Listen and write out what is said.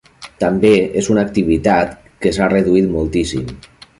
També és una activitat que s'ha reduït moltíssim.